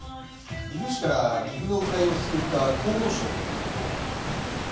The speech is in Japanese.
岐阜市から岐阜の鵜飼いを救った功労賞を頂く方は？ＯＫ。